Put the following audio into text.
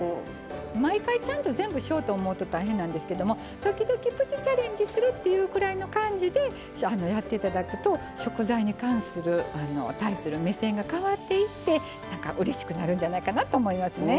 毎回ちゃんと全部しようと思うと大変なんですけども時々プチ・チャレンジするっていうくらいの感じでやって頂くと食材に対する目線が変わっていってなんかうれしくなるんじゃないかなと思いますね。